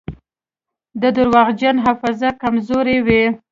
د درواغجن حافظه کمزورې وي.